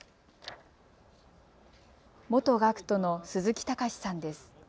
元学徒の鈴木孝さんです。